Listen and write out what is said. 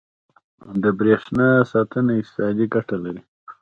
• د برېښنا ساتنه اقتصادي ګټه لري.